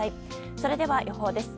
それでは予報です。